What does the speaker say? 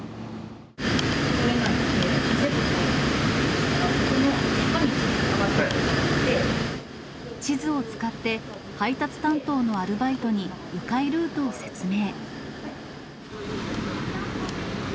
通れないので、地図を使って、配達担当のアルバイトにう回ルートを説明。